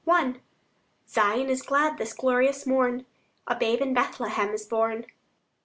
I Zion is glad this glorious morn: A babe in Bethlehem is born.